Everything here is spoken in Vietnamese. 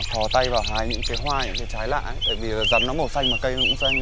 hay là có gì ở đây